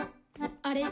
あれ？